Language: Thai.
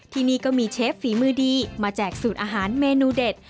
ที่นี่ก็มีเชฟฝีมือดีมาแจกสูตรอาหารเมนูเด็ด